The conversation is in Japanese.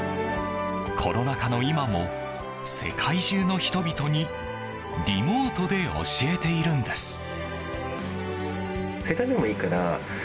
コロナ禍の今も世界中の人々にリモートで教えているんです。